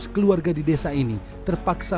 keluarga di desa ini terpaksa